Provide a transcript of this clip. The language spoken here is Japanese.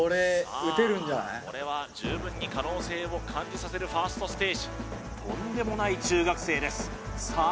これこれは十分に可能性を感じさせるファーストステージとんでもない中学生ですさあ